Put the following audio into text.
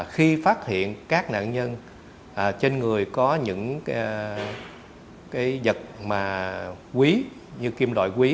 khi phát hiện các nạn nhân trên người có những vật quý